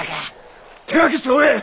手分けして追え！